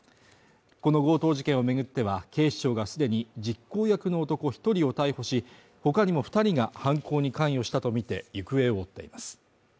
この強盗事件を巡っては、警視庁が既に実行役の男１人を逮捕し、他にも２人が犯行に関与したとみて行方を追っています。